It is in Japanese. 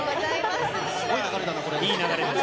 すごい流れだな、これ。